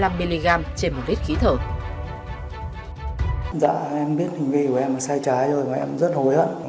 dạ em biết hình vi của em là sai trái rồi mà em rất hối hận